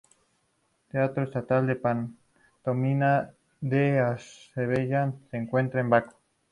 Teatro Estatal de Pantomima de Azerbaiyán se encuentra en Bakú.